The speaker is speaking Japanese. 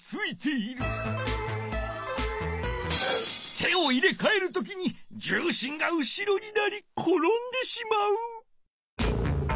手をいれかえるときにじゅうしんが後ろになりころんでしまう。